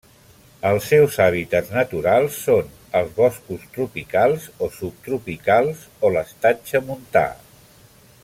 Els seus hàbitats naturals són els boscos tropicals o subtropicals o l'estatge montà.